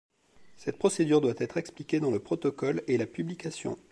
Cette procédure doit être expliquée dans le protocole et la publication.